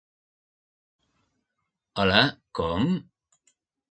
Hola, com??